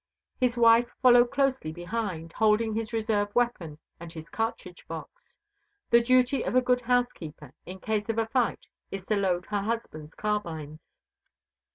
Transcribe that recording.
His wife followed closely behind, holding his reserve weapon and his cartridge box. The duty of a good housekeeper, in case of a fight, is to load her husband's carbines.